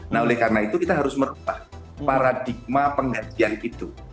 nah oleh karena itu kita harus merubah paradigma penggantian itu